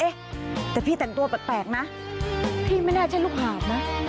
แต่พี่แต่งตัวแปลกนะพี่ไม่น่าใช่ลูกหาบนะ